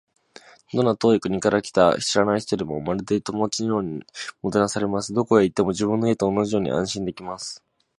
どんな遠い国から来た知らない人でも、まるで友達のようにもてなされます。どこへ行っても、自分の家と同じように安心できます。